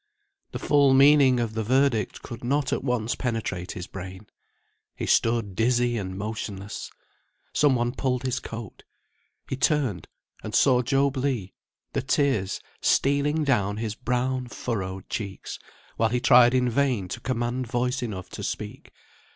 The full meaning of the verdict could not at once penetrate his brain. He stood dizzy and motionless. Some one pulled his coat. He turned, and saw Job Legh, the tears stealing down his brown furrowed cheeks, while he tried in vain to command voice enough to speak.